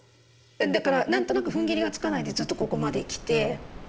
だから何となくふんぎりがつかないでずっとここまできて。